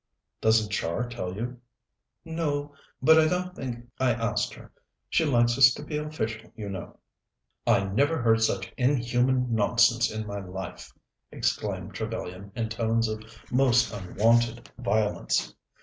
"Doesn't Char tell you?" "No; but I don't think I asked her. She likes us to be official, you know." "I never heard such inhuman nonsense in my life!" exclaimed Trevellyan in tones of most unwonted violence.